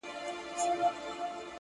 ما اورېدلي دې چي لمر هر گل ته رنگ ورکوي”